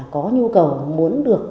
có nhu cầu muốn được